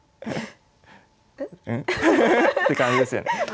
ん？ん？って感じですよね。